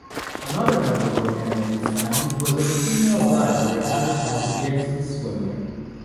Another memorable animated signage was of a female diver advertising Jantzen swimwear.